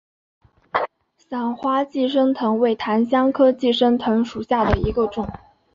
伞花寄生藤为檀香科寄生藤属下的一个种。